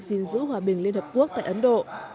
gìn giữ hòa bình liên hợp quốc tại ấn độ